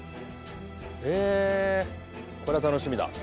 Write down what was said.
へえこれは楽しみだ。